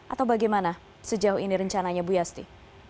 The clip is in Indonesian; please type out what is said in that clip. atau bagaimana sejauh ini rencananya bu yasti